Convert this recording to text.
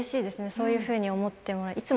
そういうふうに思ってもらって。